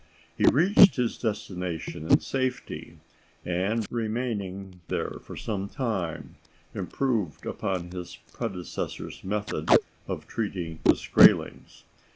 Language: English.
He reached his destination in safety, and remaining there for some time, improved upon his predecessor's method of treating the Skraelings.